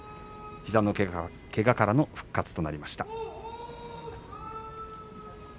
膝のけがからの復活となりました。